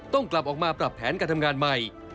ต้องกลับออกมาปรับแผนการทำงานใหม่